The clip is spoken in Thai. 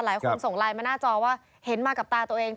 ส่งไลน์มาหน้าจอว่าเห็นมากับตาตัวเอง